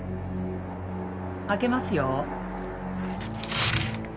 開けますよ。